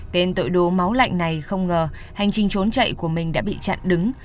tên tội đồ máu lạnh này không ngờ hành trình trốn chạy của mình đã bị chặn đứng